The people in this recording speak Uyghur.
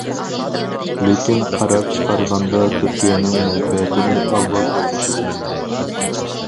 لېكىن، قارار چىقارغاندا تۈركىيەنىڭ مەنپەئەتىنى ئاۋۋال ئويلىشىدۇ.